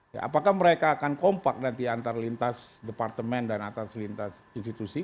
ya apakah mereka akan kompak nanti antar lintas departemen dan atas lintas institusi